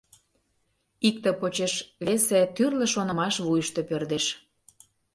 Икте почеш весе тӱрлӧ шонымаш вуйышто пӧрдеш.